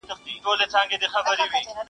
ځيني يې سخت واقعيت ګڼي ډېر،